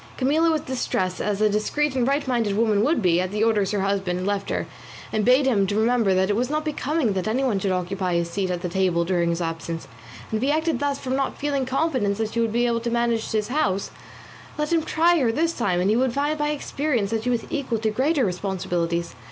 Camilla was distressed, as a discreet and right minded woman would be, at the orders her husband left her, and bade him remember that it was not becoming that anyone should occupy his seat at the table during his absence, and if he acted thus from not feeling confidence that she would be able to manage his house, let him try her this time, and he would find by experience that she was equal to greater responsibilities.